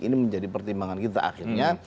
ini menjadi pertimbangan kita akhirnya